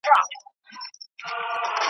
يعقوب عليه السلام دغه قاعده په پام کی نیولي وه.